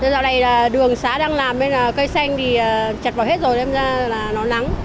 dạo này đường xá đang làm cây xanh chặt vào hết rồi nên ra nó nắng